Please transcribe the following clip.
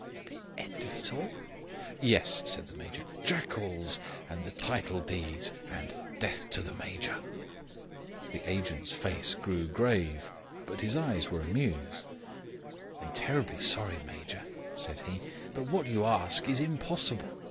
"The end of it all?" "Yes," said the Major. "'Jackals', and the title deeds, and 'Death to Major Brown'." The agent's face grew grave, but his eyes were amused. "I am terribly sorry, Major," said he, "but what you ask is impossible.